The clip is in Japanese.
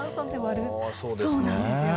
そうなんですよ。